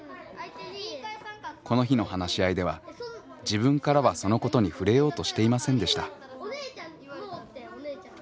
この日の話し合いでは自分からはそのことに触れようとしていませんでした。